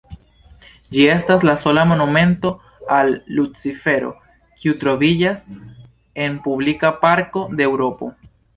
Ĝi estas la sola monumento al Lucifero kiu troviĝas en publika parko de Eŭropo.